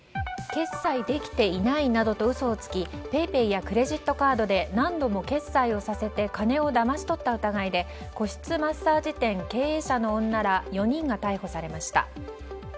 決済できていないなどと嘘をつきＰａｙＰａｙやクレジットカードで何度も決済をさせて金をだまし取った疑いで個室マッサージ店経営者の女ら４人が逮捕されました。